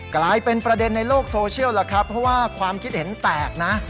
กลายเป็นประเด็นในโลกโซเชียลล่ะครับเพราะว่าความคิดเห็นแตกนะ